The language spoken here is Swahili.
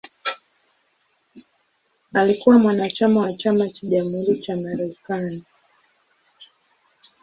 Alikuwa mwanachama wa Chama cha Jamhuri cha Marekani.